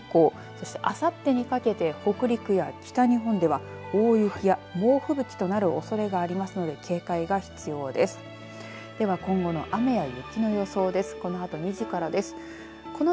ただ、今夜以降そしてあさってにかけて北陸や北日本では大雪や猛吹雪となるおそれがありますので警戒が必要です。